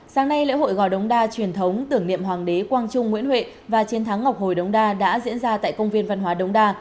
sáng nay lễ hội gò đống đa truyền thống tưởng niệm hoàng đế quang trung nguyễn huệ và chiến thắng ngọc hồi đống đa đã diễn ra tại công viên văn hóa đống đa